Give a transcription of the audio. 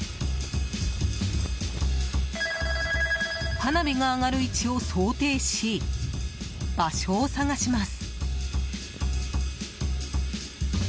花火が上がる位置を想定し場所を探します。